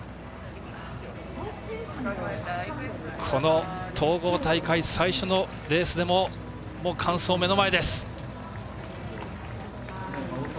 この統合大会最初のレースでも完走が目の前です。